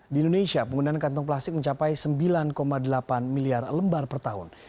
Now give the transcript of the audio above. di indonesia penggunaan kantong plastik mencapai sembilan delapan miliar lembar per tahun